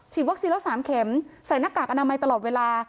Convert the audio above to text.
วัคซีนแล้ว๓เข็มใส่หน้ากากอนามัยตลอดเวลา